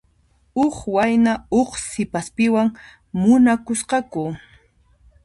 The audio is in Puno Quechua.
Huk wayna huk sipaspiwan munakusqaku.